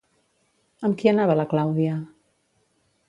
Amb qui anava la Clàudia?